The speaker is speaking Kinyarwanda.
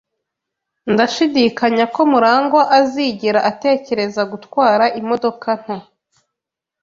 Ndashidikanya ko MuragwA azigera atekereza gutwara imodoka nto.